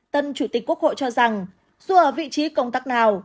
tân chủ tịch quốc hội cho rằng dù ở vị trí công tác nào